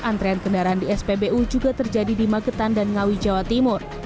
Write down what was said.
antrean kendaraan di spbu juga terjadi di magetan dan ngawi jawa timur